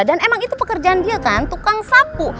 dan emang itu pekerjaan dia kan tukang sapu